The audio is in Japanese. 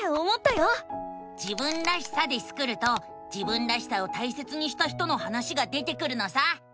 「自分らしさ」でスクると自分らしさを大切にした人の話が出てくるのさ！